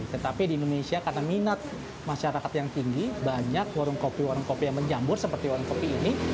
tetapi di indonesia karena minat masyarakat yang tinggi banyak warung kopi warung kopi yang menjambur seperti warung kopi ini